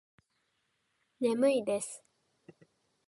眠いです